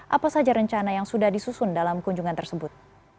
apa saja rencana yang sudah disusun dalam kunjungan tersebut